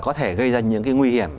có thể gây ra những cái nguy hiểm